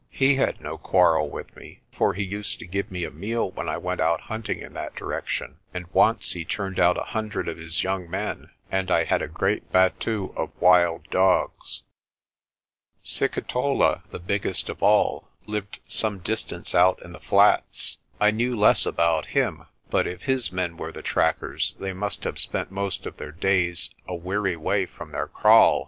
He had no quarrel with me, for he used to give me a meal when I went out hunting in that direction; and once he turned out a hundred of his young men, and I had a great battue of wild dogs. Sikitola, the biggest of all, lived some distance out in the flats. I knew less about him; but if his men were the trackers, they must have spent most of their days a weary way from their kraal.